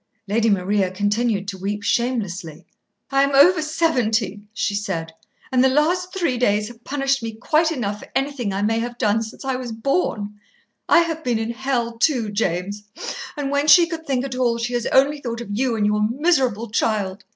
Lady Maria continued to weep shamelessly. "I am over seventy," she said, "and the last three days have punished me quite enough for anything I may have done since I was born. I have been in hell, too, James. And, when she could think at all, she has only thought of you and your miserable child.